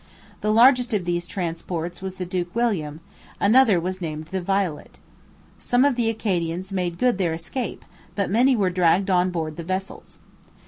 The largest of these transports was the Duke William; another was named the Violet. Some of the Acadians made good their escape, but many were dragged on board the vessels.